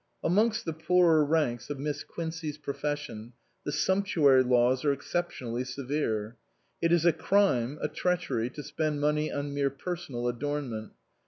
Amongst the poorer ranks of Miss Quincey's profession the sumptuary laws are exceptionally severe. It is a crime, a treachery, to spend money on mere personal adornment.